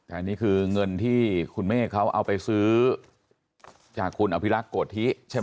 แต่นี่คือเงินที่คุณเมฆเขาเอาไปซื้อจากคุณอภิรักษ์โกธิใช่ไหม